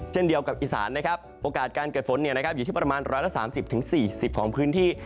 เช่นเดียวกับอีสานนะครับโอกาสการเกิดฝนอยู่ที่ประมาณ๑๓๐๔๐ของพื้นที่